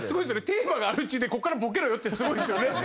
テーマがアル中でこっからボケろよってすごいっすよね。